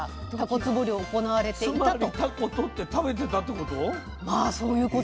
つまりタコとって食べてたってこと？